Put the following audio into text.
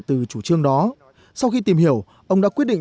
từ chủ trương đó sau khi tìm hiểu ông đã quyết định